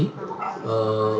untuk survei gempa